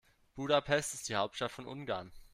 Budapest ist die Hauptstadt von Ungarn.